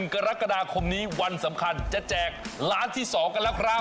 กรกฎาคมนี้วันสำคัญจะแจกล้านที่๒กันแล้วครับ